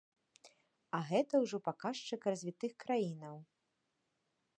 А гэта ўжо паказчык развітых краінаў.